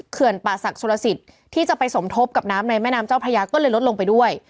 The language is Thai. เขื่อนป่าสักชุระสิตที่จะไปสมทบกับน้ำในแม่น้ำเจ้าพระยาก็เลยลดลงไปด้วย